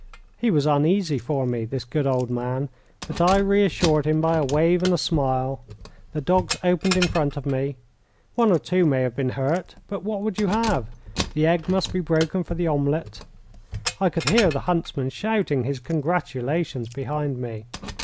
He was uneasy for me, this good old man, but I reassured him by a wave and a smile. The dogs opened in front of me. One or two may have been hurt, but what would you have? The egg must be broken for the omelette. I could hear the huntsman shouting his congratulations behind me.